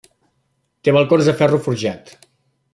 Té balcons de ferro forjat.